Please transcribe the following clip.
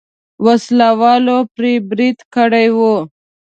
وسله والو پرې برید کړی و.